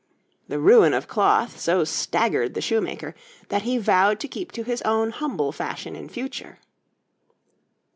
The ruin of cloth so staggered the shoemaker that he vowed to keep to his own humble fashion in future.